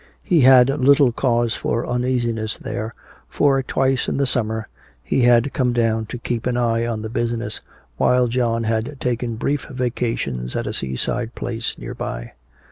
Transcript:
He had little cause for uneasiness there, for twice in the summer he had come down to keep an eye on the business, while John had taken brief vacations at a seaside place nearby.